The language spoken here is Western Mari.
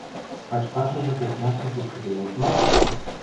– Качкашыжы кухняшты пукшыделыт ма?